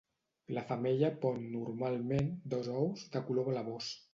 La femella pon normalment dos ous de color blavós.